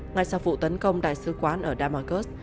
ngay sau vụ tấn công đại sứ quán ở damasurs